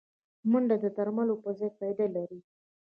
منډه د درملو پر ځای فایده لري